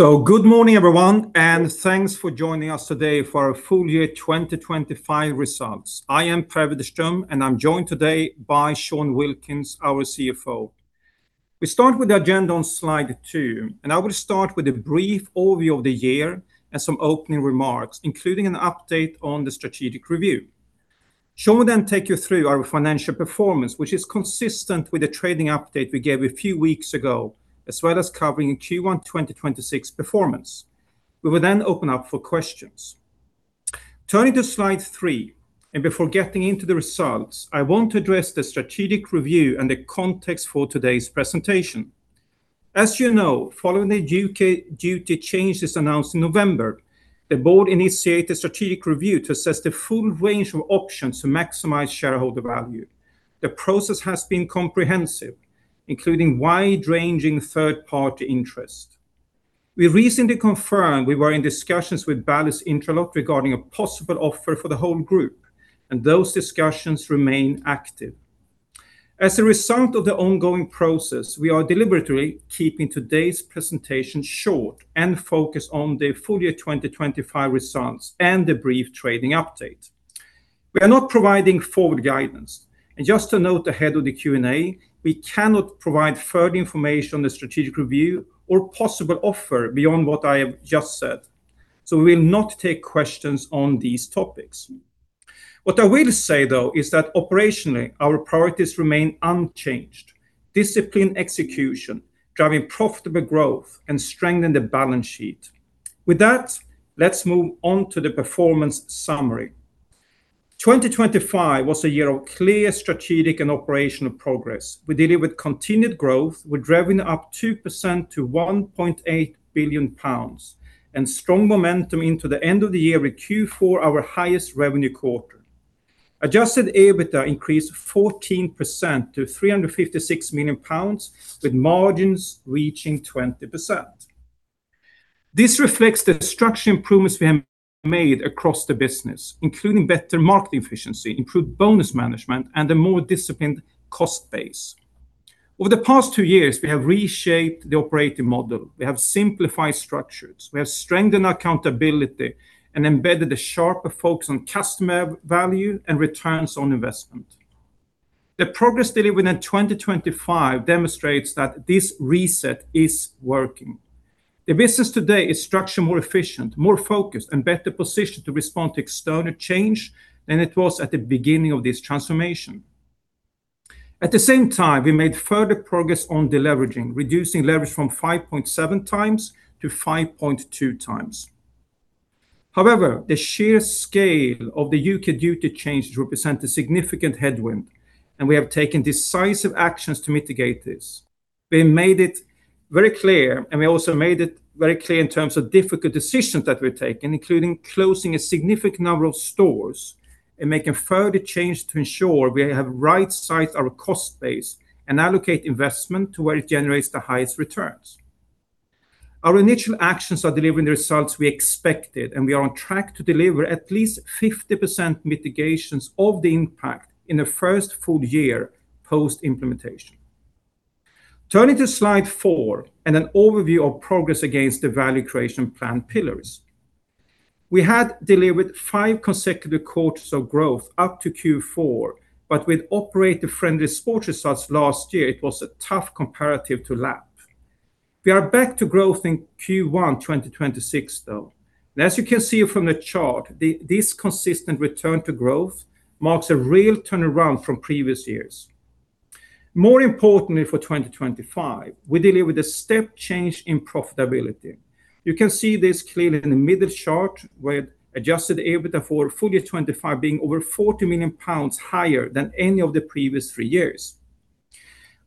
Good morning everyone, thanks for joining us today for our full year 2025 results. I am Per Widerström, I'm joined today by Sean Wilkins, our CFO. We start with the agenda on slide two, I will start with a brief overview of the year and some opening remarks, including an update on the strategic review. Sean will then take you through our financial performance, which is consistent with the trading update we gave a few weeks ago, as well as covering Q1 2026 performance. We will then open up for questions. Turning to slide three, before getting into the results, I want to address the strategic review and the context for today's presentation. As you know, following the U.K. duty changes announced in November, the board initiated a strategic review to assess the full range of options to maximize shareholder value. The process has been comprehensive, including wide-ranging third party interest. We recently confirmed we were in discussions with Bally's Interactive regarding a possible offer for the whole group, and those discussions remain active. As a result of the ongoing process, we are deliberately keeping today's presentation short and focused on the full year 2025 results and the brief trading update. We are not providing forward guidance. Just to note ahead of the Q&A, we cannot provide further information on the strategic review or possible offer beyond what I have just said. We will not take questions on these topics. What I will say though is that operationally our priorities remain unchanged, disciplined execution, driving profitable growth, and strengthen the balance sheet. With that, let's move on to the performance summary. 2025 was a year of clear strategic and operational progress. We delivered continued growth with revenue up 2% to 1.8 billion pounds, and strong momentum into the end of the year with Q4 our highest revenue quarter. Adjusted EBITDA increased 14% to 356 million pounds with margins reaching 20%. This reflects the structure improvements we have made across the business, including better market efficiency, improved bonus management, and a more disciplined cost base. Over the past two years, we have reshaped the operating model. We have simplified structures. We have strengthened accountability and embedded a sharper focus on customer value and returns on investment. The progress delivered within 2025 demonstrates that this reset is working. The business today is structured more efficient, more focused, and better positioned to respond to external change than it was at the beginning of this transformation. At the same time, we made further progress on deleveraging, reducing leverage from 5.7x to 5.2x. The sheer scale of the U.K. duty changes represent a significant headwind, and we have taken decisive actions to mitigate this. We also made it very clear in terms of difficult decisions that we're taking, including closing a significant number of stores and making further changes to ensure we have right-sized our cost base and allocate investment to where it generates the highest returns. Our initial actions are delivering the results we expected, and we are on track to deliver at least 50% mitigations of the impact in the first full year post-implementation. Turning to slide four and an overview of progress against the value creation plan pillars. We had delivered five consecutive quarters of growth up to Q4, but with operator friendly sports results last year it was a tough comparative to lap. We are back to growth in Q1 2026. As you can see from the chart, this consistent return to growth marks a real turnaround from previous years. More importantly for 2025, we delivered a step change in profitability. You can see this clearly in the middle chart with adjusted EBITDA for full year 2025 being over 40 million pounds higher than any of the previous three years.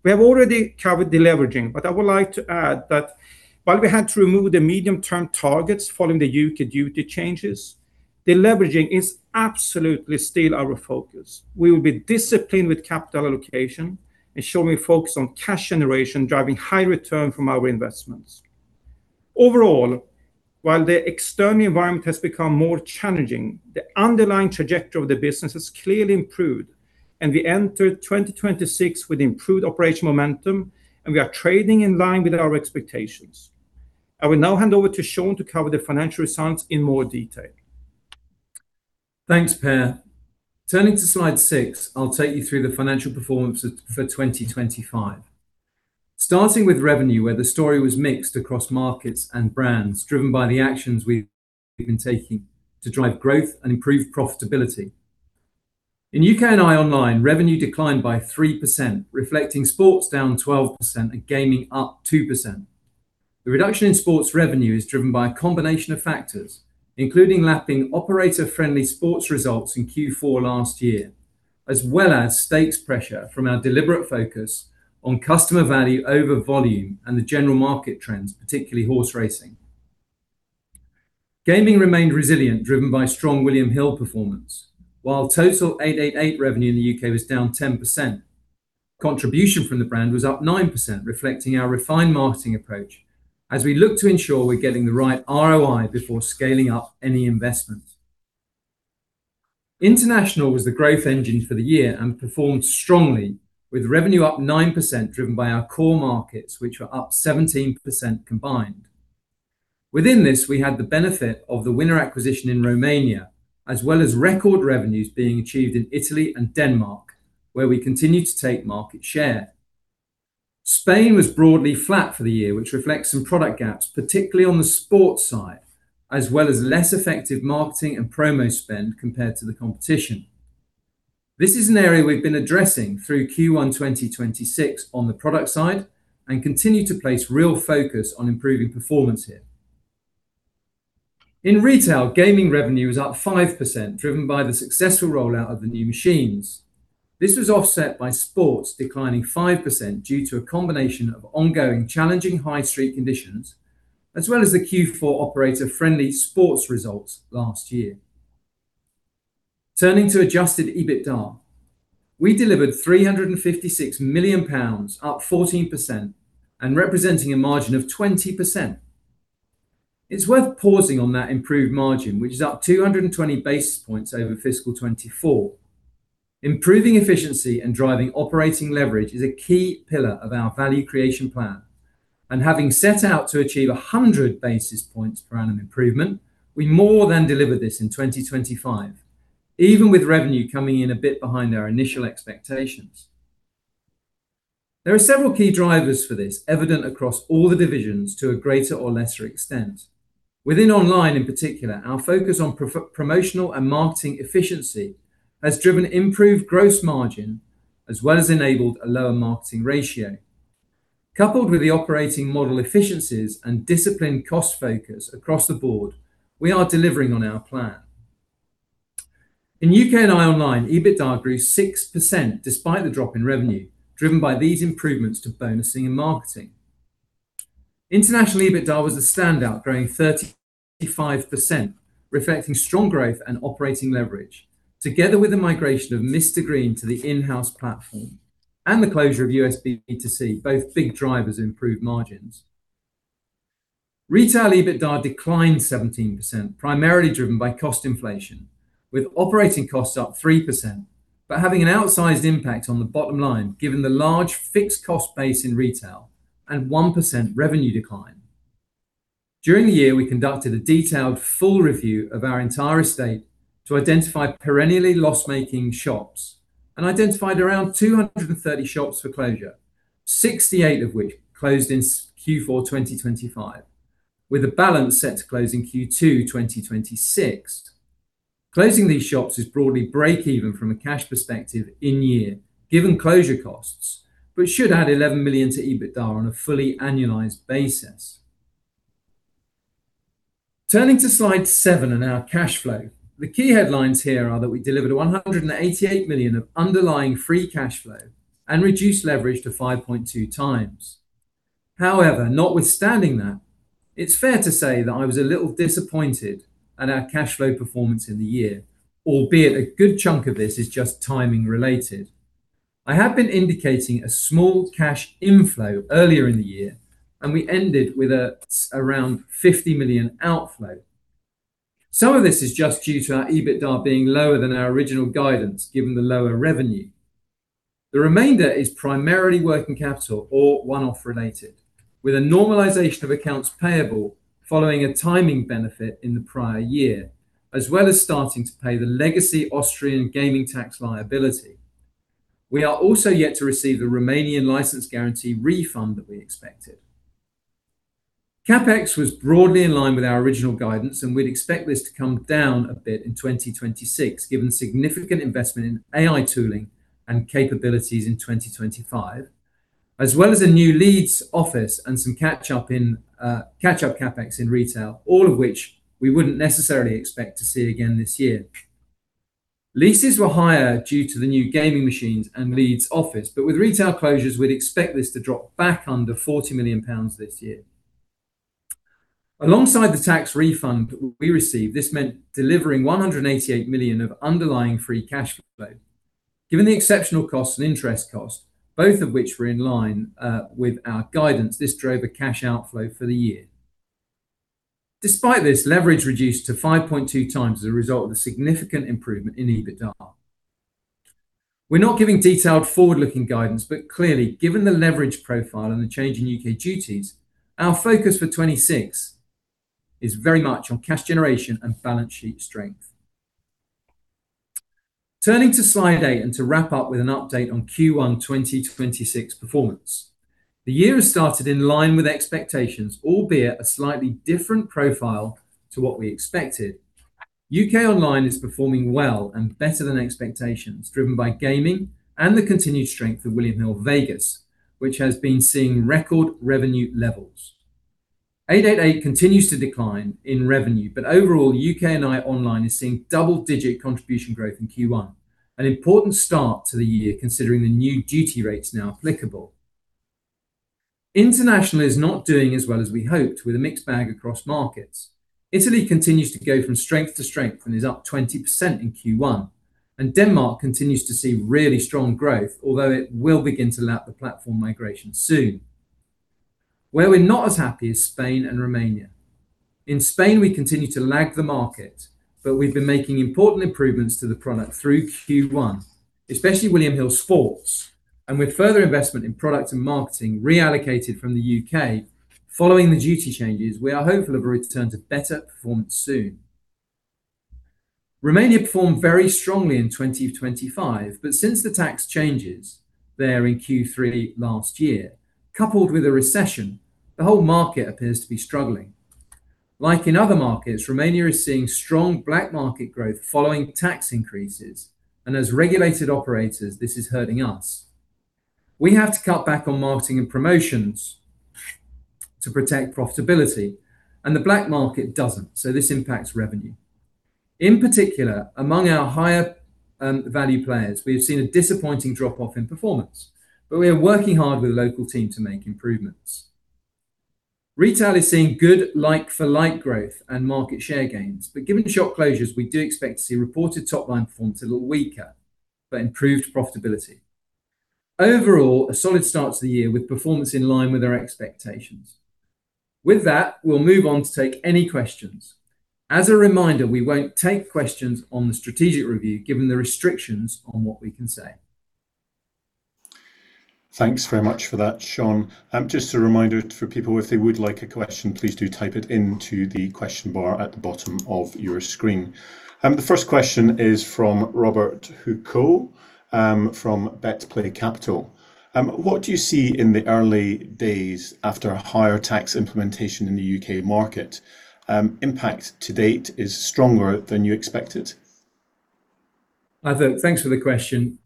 We have already covered deleveraging, I would like to add that while we had to remove the medium term targets following the U.K. duty changes, deleveraging is absolutely still our focus. We will be disciplined with capital allocation, ensuring focus on cash generation, driving high return from our investments. Overall, while the external environment has become more challenging, the underlying trajectory of the business has clearly improved, and we enter 2026 with improved operational momentum and we are trading in line with our expectations. I will now hand over to Sean to cover the financial results in more detail. Thanks, Per. Turning to slide six, I'll take you through the financial performance for 2025. Starting with revenue, where the story was mixed across markets and brands, driven by the actions we've been taking to drive growth and improve profitability. In U.K. and I.E. Online, revenue declined by 3%, reflecting sports down 12% and gaming up 2%. The reduction in sports revenue is driven by a combination of factors, including lapping operator-friendly sports results in Q4 last year, as well as stakes pressure from our deliberate focus on customer value over volume and the general market trends, particularly horse racing. Gaming remained resilient, driven by strong William Hill performance. While total 888 revenue in the U.K. was down 10%, contribution from the brand was up 9%, reflecting our refined marketing approach as we look to ensure we're getting the right ROI before scaling up any investment. International was the growth engine for the year and performed strongly with revenue up 9% driven by our core markets, which were up 17% combined. Within this, we had the benefit of the Winner acquisition in Romania, as well as record revenues being achieved in Italy and Denmark, where we continue to take market share. Spain was broadly flat for the year, which reflects some product gaps, particularly on the sports side, as well as less effective marketing and promo spend compared to the competition. This is an area we've been addressing through Q1 2026 on the product side and continue to place real focus on improving performance here. In retail, gaming revenue was up 5%, driven by the successful rollout of the new machines. This was offset by sports declining 5% due to a combination of ongoing challenging high street conditions as well as the Q4 operator-friendly sports results last year. Turning to adjusted EBITDA. We delivered 356 million pounds, up 14% and representing a margin of 20%. It's worth pausing on that improved margin, which is up 220 basis points over fiscal 2024. Improving efficiency and driving operating leverage is a key pillar of our value creation plan, and having set out to achieve 100 basis points per annum improvement, we more than delivered this in 2025, even with revenue coming in a bit behind our initial expectations. There are several key drivers for this evident across all the divisions to a greater or lesser extent. Within Online in particular, our focus on promotional and marketing efficiency has driven improved gross margin, as well as enabled a lower marketing ratio. Coupled with the operating model efficiencies and disciplined cost focus across the board, we are delivering on our plan. In U.K. and I.E. Online, EBITDA grew 6% despite the drop in revenue driven by these improvements to bonusing and marketing. International EBITDA was a standout, growing 35%, reflecting strong growth and operating leverage, together with the migration of Mr Green to the in-house platform and the closure of SI Sportsbook, both big drivers of improved margins. Retail EBITDA declined 17%, primarily driven by cost inflation, with operating costs up 3%, but having an outsized impact on the bottom line given the large fixed cost base in retail and 1% revenue decline. During the year, we conducted a detailed full review of our entire estate to identify perennially loss-making shops and identified around 230 shops for closure, 68 of which closed in Q4 2025, with a balance set to close in Q2 2026. Closing these shops is broadly break even from a cash perspective in year given closure costs, but should add 11 million to EBITDA on a fully annualized basis. Turning to slide seven and our cash flow. The key headlines here are that we delivered 188 million of underlying free cash flow and reduced leverage to 5.2x. Notwithstanding that, it's fair to say that I was a little disappointed at our cash flow performance in the year, albeit a good chunk of this is just timing related. I have been indicating a small cash inflow earlier in the year, we ended with around 50 million outflow. Some of this is just due to our EBITDA being lower than our original guidance, given the lower revenue. The remainder is primarily working capital or one-off related, with a normalization of accounts payable following a timing benefit in the prior year as well as starting to pay the legacy Austrian gaming tax liability. We are also yet to receive the Romanian license guarantee refund that we expected. CapEx was broadly in line with our original guidance. We'd expect this to come down a bit in 2026 given significant investment in AI tooling and capabilities in 2025, as well as a new Leeds office and some catch up in catch-up CapEx in retail, all of which we wouldn't necessarily expect to see again this year. Leases were higher due to the new gaming machines and Leeds office. With retail closures, we'd expect this to drop back under 40 million pounds this year. Alongside the tax refund we received, this meant delivering 188 million GBP of underlying free cash flow. Given the exceptional costs and interest cost, both of which were in line with our guidance, this drove a cash outflow for the year. Despite this, leverage reduced to 5.2x as a result of the significant improvement in EBITDA. We're not giving detailed forward-looking guidance. Clearly, given the leverage profile and the change in U.K. duties, our focus for 2026 is very much on cash generation and balance sheet strength. Turning to slide eight and to wrap up with an update on Q1 2026 performance. The year has started in line with expectations, albeit a slightly different profile to what we expected. U.K. Online is performing well and better than expectations, driven by gaming and the continued strength of William Hill Vegas, which has been seeing record revenue levels. 888 continues to decline in revenue. Overall, U.K. and I.E. Online is seeing double-digit contribution growth in Q1, an important start to the year considering the new duty rates now applicable. International is not doing as well as we hoped with a mixed bag across markets. Italy continues to go from strength to strength and is up 20% in Q1. Denmark continues to see really strong growth, although it will begin to lap the platform migration soon. Where we're not as happy is Spain and Romania. In Spain, we continue to lag the market, but we've been making important improvements to the product through Q1, especially William Hill Sports. With further investment in product and marketing reallocated from the U.K. following the duty changes, we are hopeful of a return to better performance soon. Romania performed very strongly in 2025, but since the tax changes there in Q3 last year, coupled with a recession, the whole market appears to be struggling. Like in other markets, Romania is seeing strong black market growth following tax increases, and as regulated operators, this is hurting us. We have to cut back on marketing and promotions to protect profitability, and the black market doesn't, so this impacts revenue. In particular, among our higher value players, we have seen a disappointing drop-off in performance, but we are working hard with the local team to make improvements. Retail is seeing good like-for-like growth and market share gains, but given the shop closures, we do expect to see reported top-line performance a little weaker but improved profitability. Overall, a solid start to the year with performance in line with our expectations. With that, we'll move on to take any questions. As a reminder, we won't take questions on the strategic review given the restrictions on what we can say. Thanks very much for that, Sean. Just a reminder for people if they would like a question, please do type it into the question bar at the bottom of your screen. The first question is from Robert Huczko from BetPlay Capital. What do you see in the early days after a higher tax implementation in the U.K. market? Impact to date is stronger than you expected. Hi there. Thanks for the question.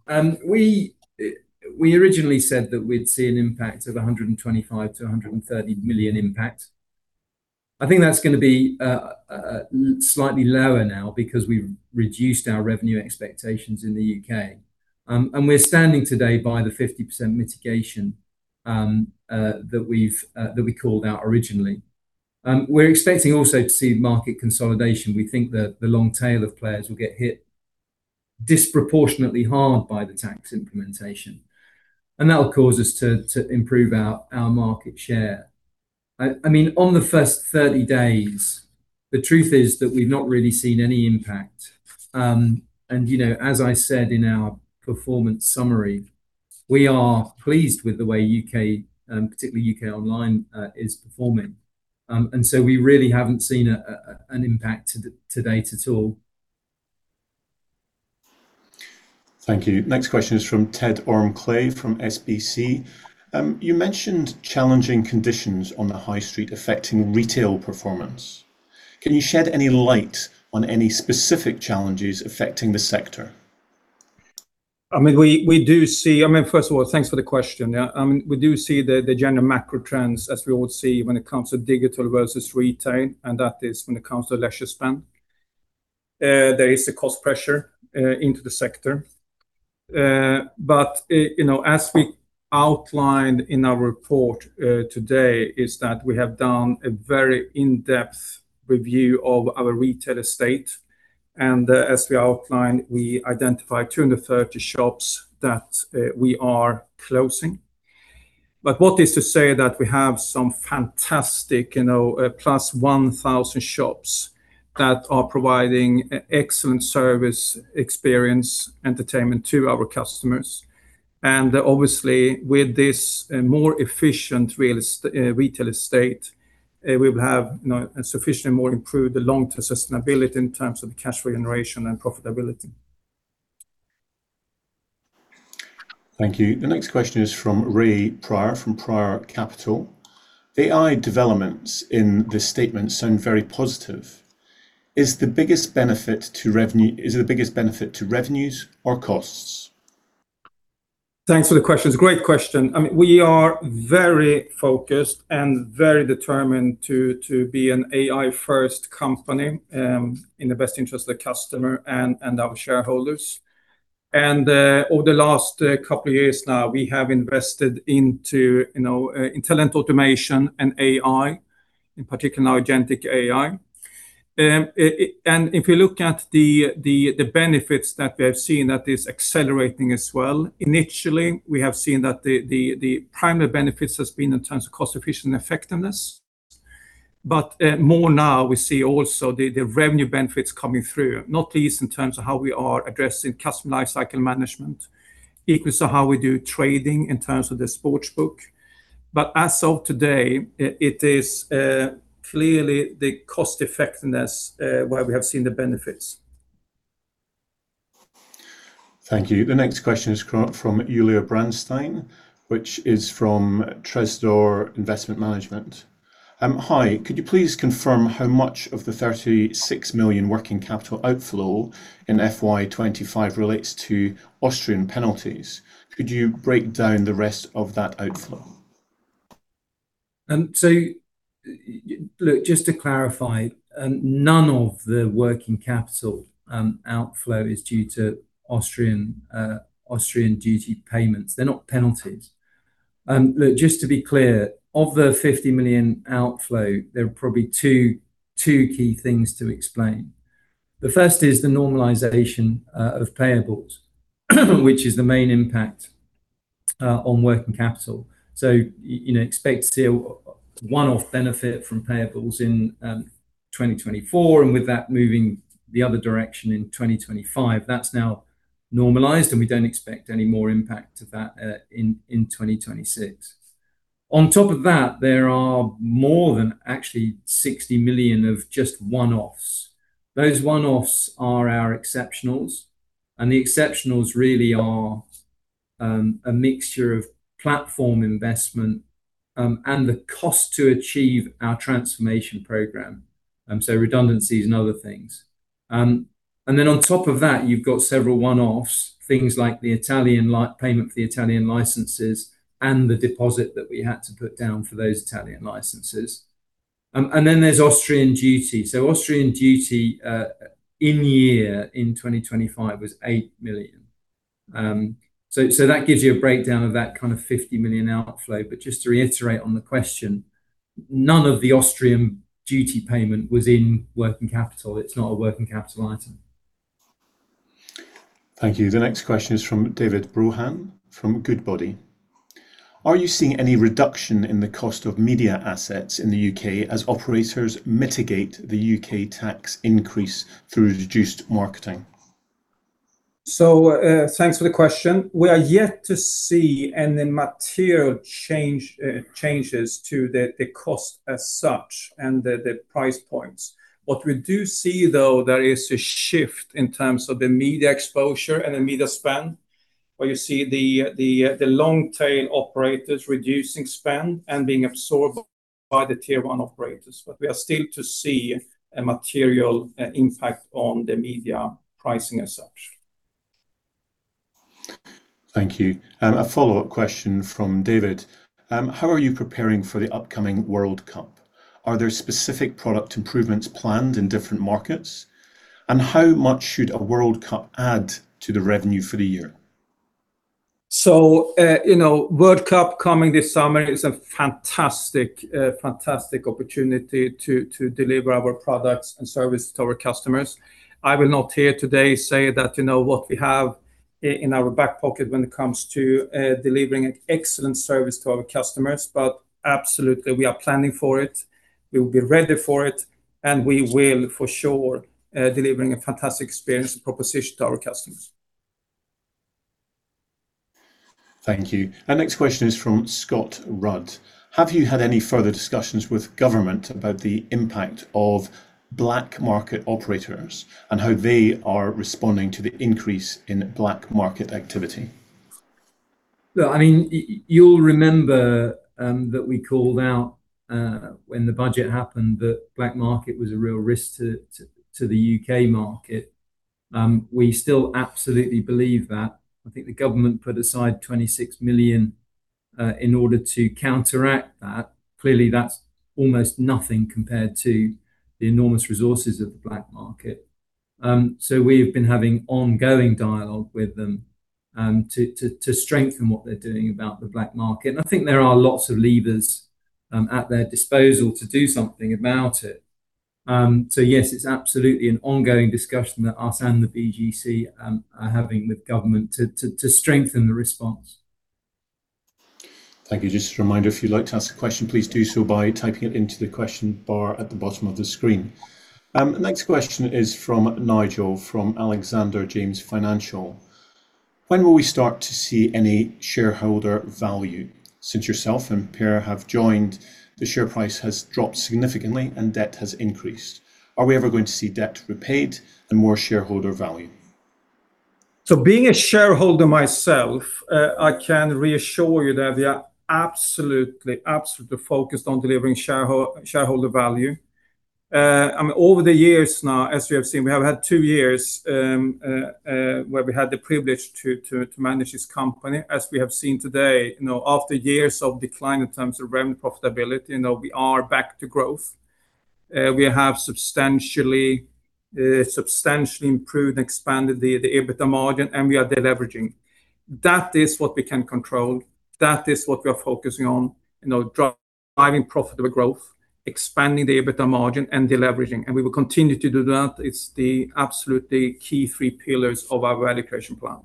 We originally said that we'd see an impact of 125 million-130 million impact. I think that's gonna be slightly lower now because we've reduced our revenue expectations in the U.K. We're standing today by the 50% mitigation that we've that we called out originally. We're expecting also to see market consolidation. We think that the long tail of players will get hit disproportionately hard by the tax implementation, and that will cause us to improve our market share. I mean, on the first 30 days, the truth is that we've not really seen any impact. You know, as I said in our performance summary, we are pleased with the way U.K., particularly U.K. online, is performing. We really haven't seen an impact to date at all. Thank you. Next question is from Ted Orme-Claye from SBC. You mentioned challenging conditions on the high street affecting retail performance. Can you shed any light on any specific challenges affecting the sector? I mean, first of all, thanks for the question. Yeah, I mean, we do see the general macro trends as we all see when it comes to digital versus retail, and that is when it comes to leisure spend. There is a cost pressure into the sector. You know, as we outlined in our report today is that we have done a very in-depth review of our retail estate. As we outlined, we identified 230 shops that we are closing. What is to say that we have some fantastic, you know, plus 1,000 shops that are providing excellent service, experience, entertainment to our customers. Obviously, with this more efficient retail estate, we will have, you know, sufficiently more improved the long-term sustainability in terms of cash generation and profitability. Thank you. The next question is from Ray Prior from Prior Capital. AI developments in this statement sound very positive. Is the biggest benefit to revenues or costs? Thanks for the question. It's a great question. I mean, we are very focused and very determined to be an AI-first company, in the best interest of the customer and our shareholders. Over the last couple of years now, we have invested into, you know, intelligent automation and AI, in particular agentic AI. And if you look at the benefits that we have seen that is accelerating as well, initially, we have seen that the primary benefits has been in terms of cost efficiency and effectiveness. More now we see also the revenue benefits coming through, not least in terms of how we are addressing customer lifecycle management, equally so how we do trading in terms of the sports book. As of today, it is clearly the cost effectiveness where we have seen the benefits. Thank you. The next question is from Yulia Brandstein, which is from Tresidor Investment Management. Hi. Could you please confirm how much of the 36 million working capital outflow in FY 2025 relates to Austrian penalties? Could you break down the rest of that outflow? Look, just to clarify, none of the working capital outflow is due to Austrian duty payments. They're not penalties. Look, just to be clear, of the 50 million outflow, there are probably two key things to explain. The first is the normalization of payables. Which is the main impact on working capital. You know, expect to see a one-off benefit from payables in 2024, and with that moving the other direction in 2025. That's now normalized, we don't expect any more impact to that in 2026. On top of that, there are more than actually 60 million of just one-offs. Those one-offs are our exceptionals, the exceptionals really are a mixture of platform investment and the cost to achieve our transformation program, so redundancies and other things. On top of that, you've got several one-offs, things like the Italian payment for the Italian licenses and the deposit that we had to put down for those Italian licenses. There's Austrian duty. Austrian duty, in year in 2025 was 8 million. That gives you a breakdown of that kind of 50 million outflow, but just to reiterate on the question, none of the Austrian duty payment was in working capital. It's not a working capital item. Thank you. The next question is from David Brohan from Goodbody. Are you seeing any reduction in the cost of media assets in the U.K. as operators mitigate the U.K. tax increase through reduced marketing? Thanks for the question. We are yet to see any material change, changes to the cost as such and the price points. What we do see, though, there is a shift in terms of the media exposure and the media spend, where you see the long tail operators reducing spend and being absorbed by the tier one operators, but we are still to see a material impact on the media pricing as such. Thank you. A follow-up question from David. How are you preparing for the upcoming World Cup? Are there specific product improvements planned in different markets? How much should a World Cup add to the revenue for the year? You know, World Cup coming this summer is a fantastic opportunity to deliver our products and service to our customers. I will not here today say that, you know, what we have in our back pocket when it comes to delivering an excellent service to our customers. Absolutely, we are planning for it, we will be ready for it, and we will for sure delivering a fantastic experience and proposition to our customers. Thank you. Our next question is from Scott Rudd. Have you had any further discussions with government about the impact of black market operators and how they are responding to the increase in black market activity? Look, you'll remember that we called out when the budget happened that black market was a real risk to the U.K. market. We still absolutely believe that. I think the government put aside 26 million in order to counteract that. Clearly, that's almost nothing compared to the enormous resources of the black market. We've been having ongoing dialogue with them to strengthen what they're doing about the black market, and I think there are lots of levers at their disposal to do something about it. Yes, it's absolutely an ongoing discussion that us and the BGC are having with government to strengthen the response. Thank you. Just a reminder, if you'd like to ask a question, please do so by typing it into the question bar at the bottom of the screen. Next question is from Nigel from Alexander James Financial. When will we start to see any shareholder value? Since yourself and Per have joined, the share price has dropped significantly and debt has increased. Are we ever going to see debt repaid and more shareholder value? Being a shareholder myself, I can reassure you that we are absolutely focused on delivering shareholder value. I mean, over the years now, as we have seen, we have had 2 years where we had the privilege to manage this company. As we have seen today, you know, after years of decline in terms of revenue profitability, you know, we are back to growth. We have substantially improved and expanded the EBITDA margin, and we are deleveraging. That is what we can control. That is what we are focusing on, you know, driving profitable growth, expanding the EBITDA margin and deleveraging, and we will continue to do that. It is the absolutely key 3 pillars of our value creation plan.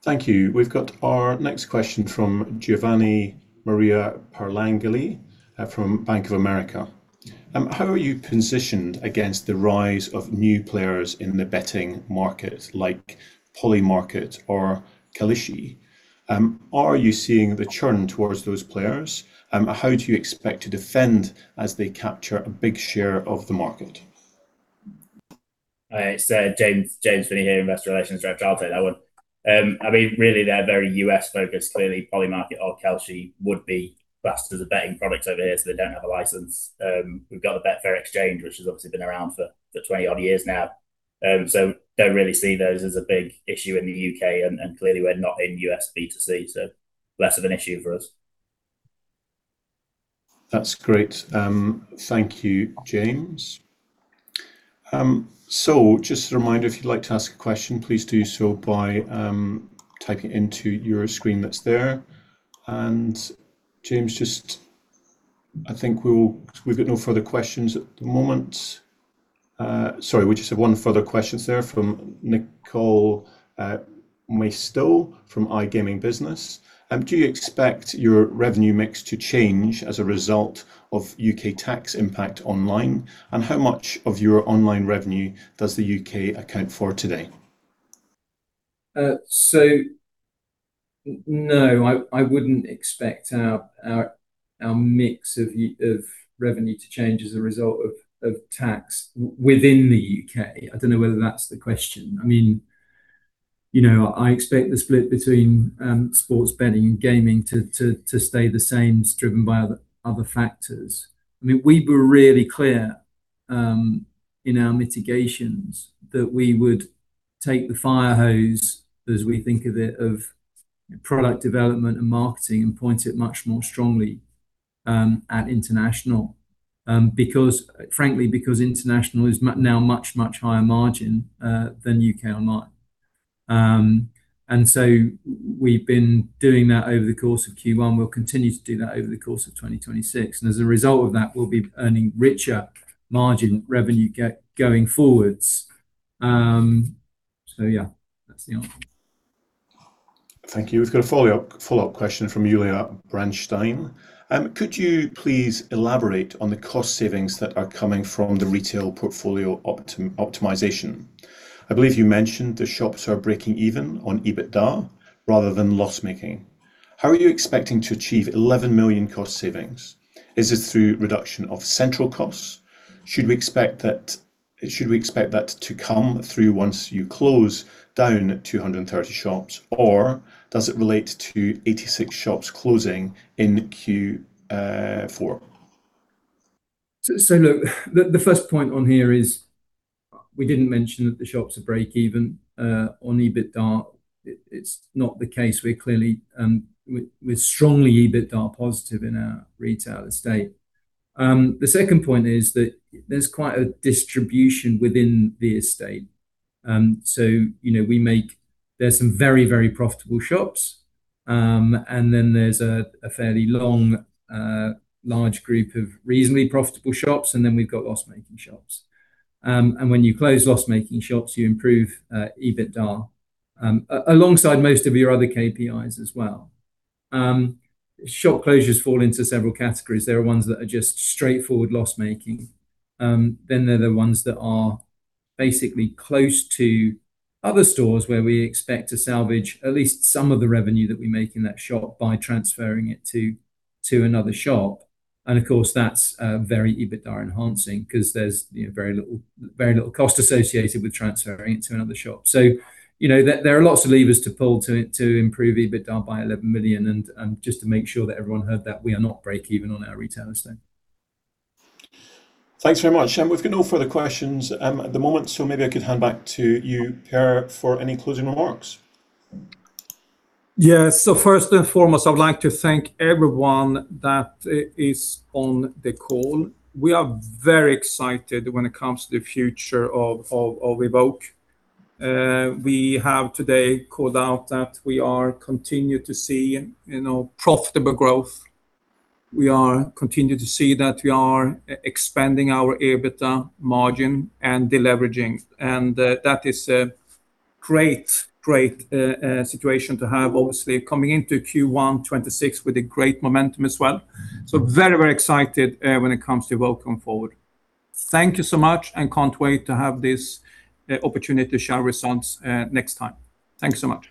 Thank you. We've got our next question from Giovanni Maria Parlangeli, from Bank of America. How are you positioned against the rise of new players in the betting market like Polymarket or Kalshi? Are you seeing the churn towards those players? How do you expect to defend as they capture a big share of the market? It's James Finney here, Investor Relations Director. I'll take that one. I mean, really, they're very U.S.-focused. Clearly Polymarket or Kalshi would be classed as a betting product over here, so they don't have a license. We've got the Betfair Exchange, which has obviously been around for 20-odd years now. Don't really see those as a big issue in the U.K., and clearly we're not in U.S. B2C, so less of an issue for us. That's great. Thank you, James. Just a reminder, if you'd like to ask a question, please do so by typing it into your screen that's there. James, I think we've got no further questions at the moment. Sorry, we just have one further question, sir, from Nicole Macedo from iGaming Business. Do you expect your revenue mix to change as a result of U.K. tax impact online? How much of your online revenue does the U.K. account for today? No. I wouldn't expect our mix of revenue to change as a result of tax within the U.K. I don't know whether that's the question. I mean, you know, I expect the split between sports betting and gaming to stay the same. It's driven by other factors. I mean, we were really clear in our mitigations that we would take the fire hose, as we think of it, of product development and marketing and point it much more strongly at international. Frankly, because international is now much higher margin than U.K. online. We've been doing that over the course of Q1. We'll continue to do that over the course of 2026. As a result of that, we'll be earning richer margin revenue going forwards. Yeah, that's the answer. Thank you. We've got a follow-up question from Yulia Brandstein. Could you please elaborate on the cost savings that are coming from the retail portfolio optimization? I believe you mentioned the shops are breaking even on EBITDA rather than loss-making. How are you expecting to achieve 11 million cost savings? Is it through reduction of central costs? Should we expect that to come through once you close down 230 shops? Does it relate to 86 shops closing in Q4? Look, the first point on here is we didn't mention that the shops are break even on EBITDA. It's not the case. We're clearly, we're strongly EBITDA positive in our retail estate. The second point is that there's quite a distribution within the estate. You know, there's some very, very profitable shops. Then there's a fairly long, large group of reasonably profitable shops, and then we've got loss-making shops. When you close loss-making shops, you improve EBITDA alongside most of your other KPIs as well. Shop closures fall into several categories. There are ones that are just straightforward loss-making. There are the ones that are basically close to other stores where we expect to salvage at least some of the revenue that we make in that shop by transferring it to another shop. Of course, that's very EBITDA-enhancing 'cause there's, you know, very little cost associated with transferring it to another shop. You know, there are lots of levers to pull to improve EBITDA by 11 million. Just to make sure that everyone heard that, we are not break even on our retail estate. Thanks very much. We've got no further questions at the moment, so maybe I could hand back to you, Per, for any closing remarks. Yeah. First and foremost, I would like to thank everyone that is on the call. We are very excited when it comes to the future of Evoke. We have today called out that we are continue to see, you know, profitable growth. We are continue to see that we are expanding our EBITDA margin and deleveraging, and that is a great situation to have, obviously, coming into Q1 2026 with a great momentum as well. Very excited when it comes to Evoke going forward. Thank you so much and can't wait to have this opportunity to share results next time. Thank you so much.